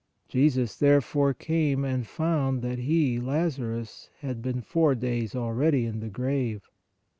Jesus therefore came and found that he (Lazarus) had been four days already in the grave.